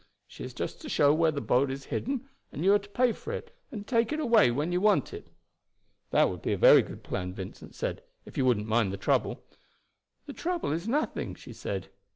She is just to show where the boat is hidden, and you are to pay for it and take it away when you want it." "That would be a very good plan," Vincent said, "if you wouldn't mind the trouble." "The trouble is nothing," she said.